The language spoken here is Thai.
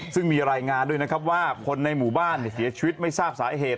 ซึ่งมีรายงานด้วยนะครับว่าคนในหมู่บ้านเสียชีวิตไม่ทราบสาเหตุ